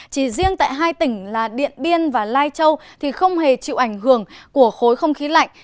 chỉ riêng tại hai tỉnh là điện biên và lai châu thì không hề chịu ảnh hưởng của khối không khí lạnh